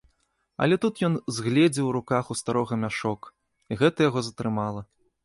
Але тут ён згледзеў у руках у старога мяшок, і гэта яго затрымала.